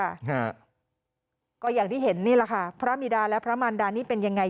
ฮะก็อย่างที่เห็นนี่แหละค่ะพระบิดาและพระมันดานี่เป็นยังไง